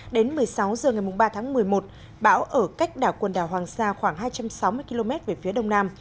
đến một mươi sáu h ngày ba tháng một mươi một bão ở cách đảo quần đảo hoàng sa khoảng hai trăm sáu mươi km về phía đông nam